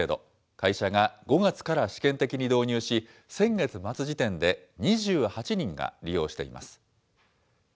会社が５月から試験的に導入し、先月末時点で、２８人が利用しています。